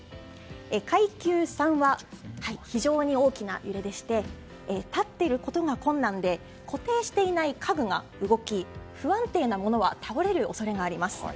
階級３は非常に大きな揺れでして立っていることが困難で固定していない家具が動き不安定なものは倒れる恐れがあります。